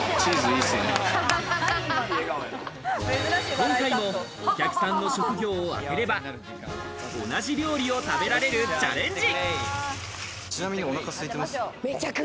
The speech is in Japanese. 今回もお客さんの職業を当てれば、同じ料理を食べられるチャレンジ。